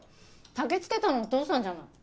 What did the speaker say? たきつけたのお父さんじゃない。